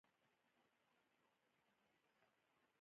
مقصد په ټولګي کې ووايي څو لنډو کرښو کې.